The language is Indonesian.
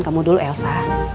kamu dulu elsa